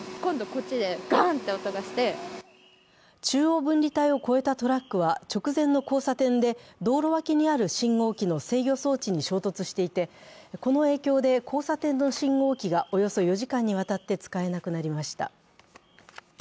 中央分離帯を越えたトラックは、直前の交差点で道路脇にある信号機の制御装置に衝突していてこの影響で交差点の信号機がおよそ４時間にわたって使えなくなりました。